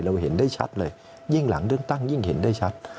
เห็นได้ชัดเลยยิ่งหลังเลือกตั้งยิ่งเห็นได้ชัด